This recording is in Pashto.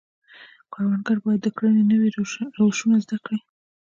کروندګر باید د کرنې نوي روشونه زده کړي.